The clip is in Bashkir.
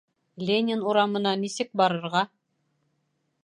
Ленин урамына нисек барырға?